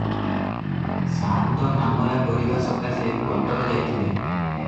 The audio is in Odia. ସାଆନ୍ତ ମାମଲା କରିବା ସକାଶେ କଟକ ଯାଇଥିଲେ ।